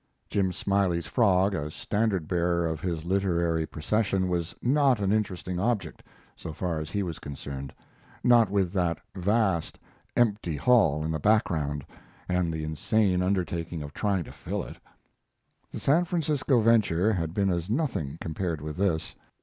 Jim Smiley's frog as standard bearer of his literary procession was not an interesting object, so far as he was concerned not with that vast, empty hall in the background and the insane undertaking of trying to fill it. The San Francisco venture had been as nothing compared with this.